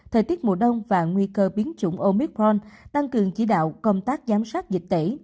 thời tiết mùa đông và nguy cơ biến chủng omicron tăng cường chỉ đạo công tác giám sát dịch tễ